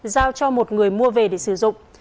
giao cho một người mua về để sử dụng